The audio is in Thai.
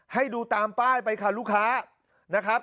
ให้ดูตามป้ายไปค่ะลูกค้า